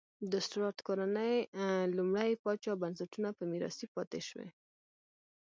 د سټورات کورنۍ لومړي پاچا بنسټونه په میراث پاتې شوې.